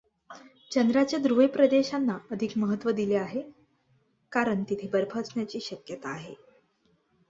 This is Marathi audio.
चंद्राच्या ध्रुवीय प्रदेशांना अधिक महत्त्व दिले आहे, कारण तिथे बर्फ असण्याची शक्यता आहे.